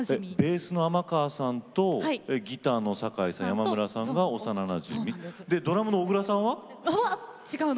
ベースの尼川さんとギターの阪井さんと山村さんが幼なじみドラムの小倉さんは？